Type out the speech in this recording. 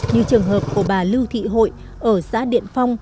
như trường hợp của bà lưu thị hội ở xã điện phong